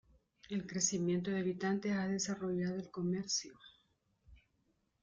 El crecimiento de habitantes ha desarrollado el comercio.